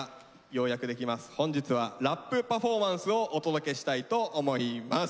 本日はラップパフォーマンスをお届けしたいと思います。